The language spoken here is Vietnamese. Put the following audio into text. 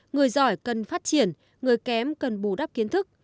người giỏi cần phát triển người kém cần bù đắp kiến thức